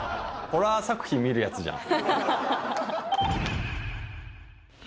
ホラー作品見るやつじゃん。